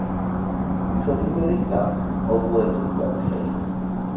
শফিকুল ইসলাম অপু একজন ব্যবসায়ী।